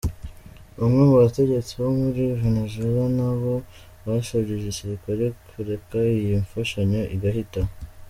Bamwe mu bategetsi bo muri Venezuela na bo basabye igisirikare kureka iyi mfashanyo igahita.